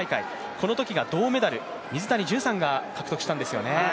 このときが銅メダル、水谷隼さんが獲得したんですよね。